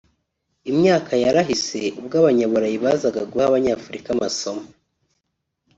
Imyaka yarahise ubwo abanyaburayi bazaga guha abanyafurika amasomo